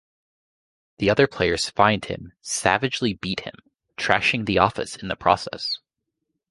The other players find him, savagely beat him, trashing the office in the process.